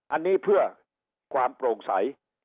อันนี้เพื่อความโปร่งใส